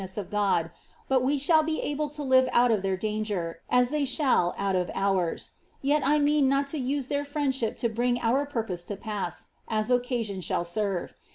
s of Gotl, but wo shiill bo able to live out of their danger, as thoy »lmll out of ours ; yet I mean not but to use their friendship to bring our i)uri>n!K* to pass, as occai^ion shall serve.